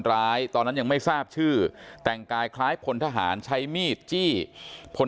ตอนนั้นยังไม่ทราบชื่อแต่งกายคล้ายพลทหารใช้มีดจี้พล